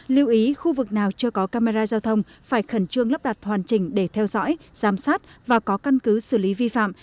lưu ý khu vực nào chưa có camera giao thông phải khẩn trương lắp đặt hoàn chỉnh để theo dõi giám sát và có căn cứ xử lý vi phạm